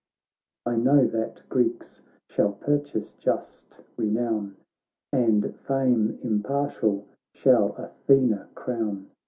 I know that Greeks shall purchase just renown. And fame impartial shall Athena crown.